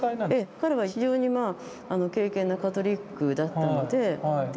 彼は非常にまあ敬けんなカトリックだったのでで